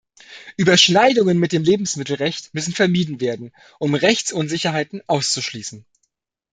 Überschneidungen mit dem Lebensmittelrecht müssen vermieden werden, um Rechtsunsicherheiten auszuschließen.